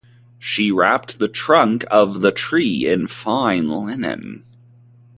She wrapped the trunk of the tree in fine linen.